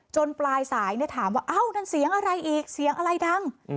ปลายสายถามว่าเอ้านั่นเสียงอะไรอีกเสียงอะไรดัง